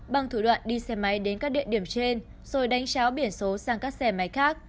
bằng thủ đoạn đi xe máy đến các địa điểm trên rồi đánh cháo biển số sang các xe máy khác